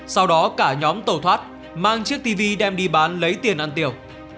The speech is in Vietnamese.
sau đó cả nhóm tàu thoát mang chiếc tv đem đi bán lấy tiền ăn tiểu